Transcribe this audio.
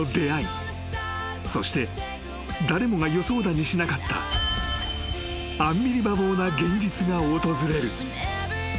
［そして誰もが予想だにしなかったアンビリバボーな現実が訪れる］